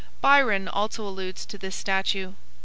Byron also alludes to this statue.